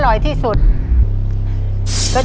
ตัวเลือกที่สี่ชัชวอนโมกศรีครับ